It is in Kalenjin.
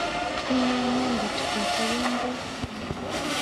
Tyenei inendet peet ak kemboi